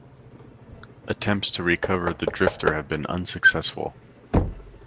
Attempts to recover the drifter have been unsuccessful.